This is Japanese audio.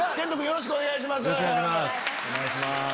よろしくお願いします。